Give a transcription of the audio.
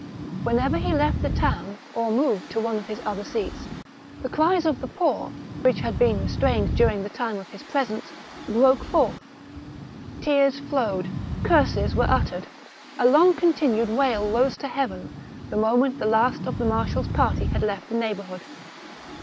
Whenever he left the town, or moved to one of his other seats, the cries of the poor, which had been 186 THE BOOK OF WERE WOLVES. restrained during the time of his presence, broke forth. Tears flowed, curses were uttered, a long continued wail rose to heaven, the moment that the last of the marshal's party had left the neighbourhood.